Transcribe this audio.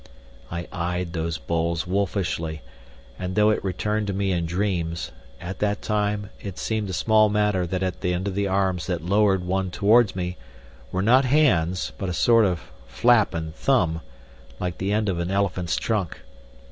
I eyed these bowls wolfishly, and, though it returned to me in dreams, at that time it seemed a small matter that at the end of the arms that lowered one towards me were not hands, but a sort of flap and thumb, like the end of an elephant's trunk.